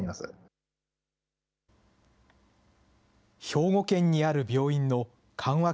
兵庫県にある病院の緩和